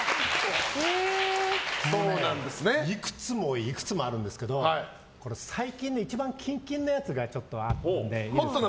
いくつもいくつもあるんですけど一番近々のやつがあって。